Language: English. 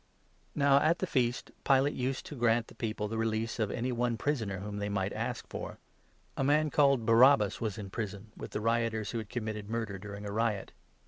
Now, at the Feast, Pilate used to grant the 6 people the release of any one prisoner whom they might ask for. A man called Barabbas was in prison, with the rioters 7 who had committed murder during a riot.